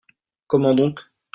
Comment donc ?